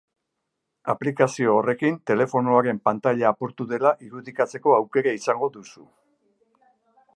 Aplikazio horrekin telefonoaren pantaila apurtu dela irudikatzeko aukera izango duzu.